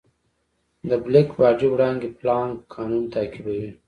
د بلیک باډي وړانګې پلانک قانون تعقیبوي.